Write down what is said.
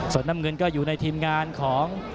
ส่วนน้ำเงินก็อยู่ในทีมงานของ